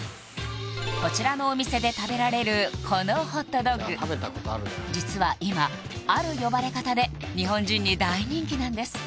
こちらのお店で食べられるこのホットドッグ実は今ある呼ばれ方で日本人に大人気なんです